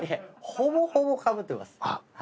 ほぼほぼかぶってます。